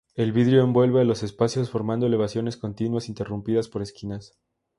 El vidrio envuelve a los espacios formando elevaciones continuas, ininterrumpidas por esquinas.